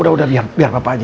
yaudah biar papa aja